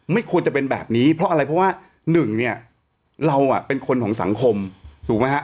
ไม่ควรจะเป็นแบบนี้เพราะอะไรเพราะว่าหนึ่งเนี่ยเราเป็นคนของสังคมถูกไหมฮะ